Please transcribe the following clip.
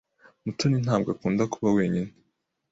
Mutoni ntabwo akunda kuba wenyine.